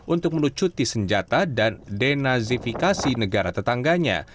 untuk melucuti senjata dan denazifikasi negara tetangganya